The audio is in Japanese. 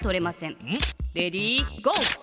レディーゴー！